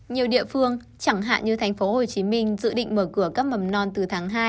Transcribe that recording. nhiều địa phương chẳng hạn như thành phố hồ chí minh dự định mở cửa các mầm non từ tháng hai